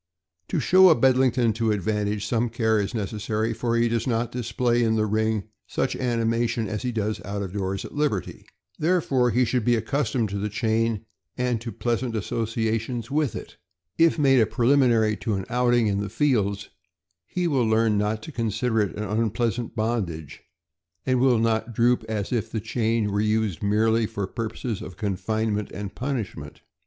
To show a Bedlington to advantage some care is neces sary, for he does not display in the ring such animation as he does out of doors at liberty. Therefore he should be accustomed to the chain and to pleasant associations with 408 THE AMERICAN BOOK OF THE DOG. it. If made a preliminary to an outing in the fields, he will learn not to consider it an unpleasant bondage, and will not droop as if the chain were used merely for purposes of confinement and punishment.